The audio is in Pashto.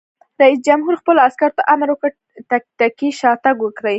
رئیس جمهور خپلو عسکرو ته امر وکړ؛ تکتیکي شاتګ وکړئ!